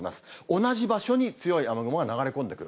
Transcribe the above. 同じ場所に強い雨雲が流れ込んでくる。